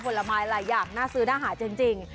ผลไม้หลายอย่างน่าซื้อน่าหาจริง